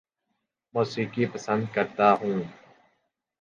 موسیقی پسند کرتا ہوں